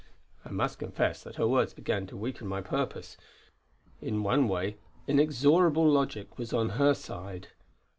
I must confess that her words began to weaken my purpose. In one way inexorable logic was on her side.